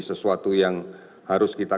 sesuatu yang harus kita